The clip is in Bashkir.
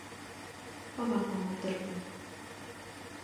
Аҙаҡ аңлатырмын.